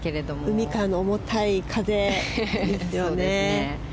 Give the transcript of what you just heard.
海からの重たい風ですよね。